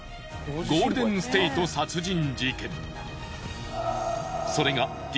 ゴールデン・ステイト殺人事件。